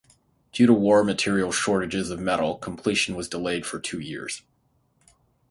Due to war material shortages of metal, completion was delayed for two years.